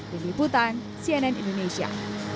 peniputan cnn indonesia